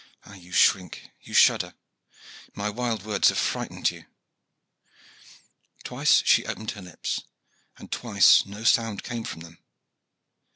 Ah, you shrink, you shudder! My wild words have frightened you." Twice she opened her lips, and twice no sound came from them.